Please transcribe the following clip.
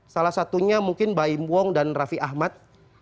salah satunya mungkin mbak im wong dan raffi ahmad